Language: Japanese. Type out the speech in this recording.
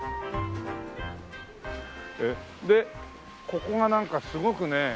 でここがなんかすごくね。